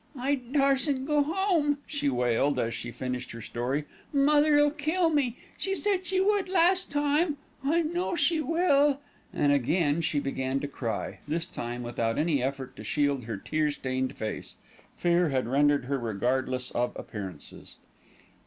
"I darsen't go home," she wailed, as she finished her story. "Mother'll kill me. She said she would last time. I know she will," and again she began to cry, this time without any effort to shield her tear stained face. Fear had rendered her regardless of appearances.